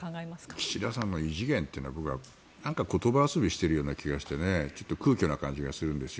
岸田さんの異次元というのはなんか言葉遊びしているような気がして空虚な感じがするんですよ。